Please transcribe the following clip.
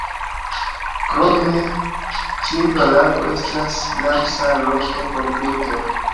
Krome Ĉilva-Lago estas Ramsar-loko por birdoj.